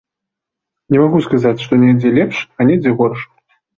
Не магу сказаць, што недзе лепш, а недзе горш.